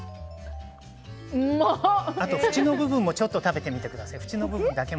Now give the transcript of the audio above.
縁の部分もちょっと食べてみてください。